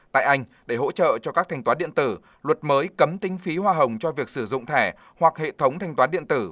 tại anh để hỗ trợ cho các thanh toán điện tử luật mới cấm kinh phí hoa hồng cho việc sử dụng thẻ hoặc hệ thống thanh toán điện tử